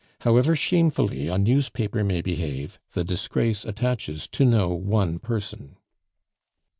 However shamefully a newspaper may behave, the disgrace attaches to no one person."